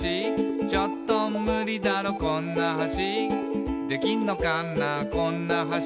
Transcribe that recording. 「ちょっとムリだろこんな橋」「できんのかなこんな橋」